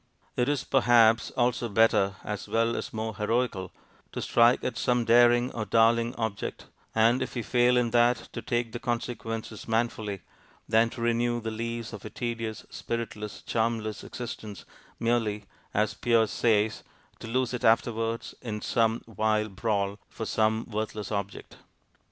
It is, perhaps, also better, as well as more heroical, to strike at some daring or darling object, and if we fail in that, to take the consequences manfully, than to renew the lease of a tedious, spiritless, charmless existence, merely (as Pierre says) 'to lose it afterwards in some vile brawl' for some worthless object.